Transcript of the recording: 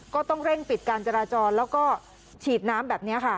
ก็ต้องเร่งปิดการจราจรแล้วก็ฉีดน้ำแบบนี้ค่ะ